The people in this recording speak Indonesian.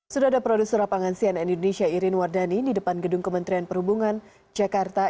sudah ada produser lapangan cnn indonesia irin wardani di depan gedung kementerian perhubungan jakarta